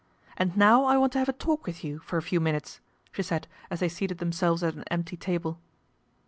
" And now I want to have a talk with you for a few minutes/' she said as they seated themselves at an empty table.